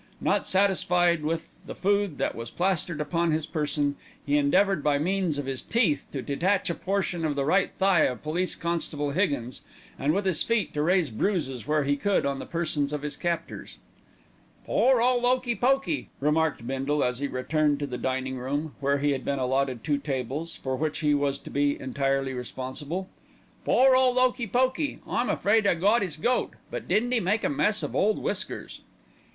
Not satisfied with the food that was plastered upon his person, he endeavoured by means of his teeth to detach a portion of the right thigh of Police constable Higgins, and with his feet to raise bruises where he could on the persons of his captors. "Pore ole 'Okey Pokey!" remarked Bindle, as he returned to the dining room, where he had now been allotted two tables, for which he was to be entirely responsible. "Pore ole 'Okey Pokey. I'm afraid I got 'is goat; but didn't 'e make a mess of Ole Whiskers!"